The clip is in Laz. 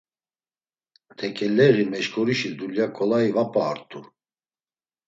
Tekeleği meşǩoruşi dulya ǩolayi va p̌a ort̆u.